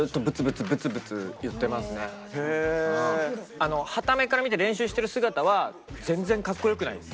あのはた目から見て練習してる姿は全然かっこよくないです。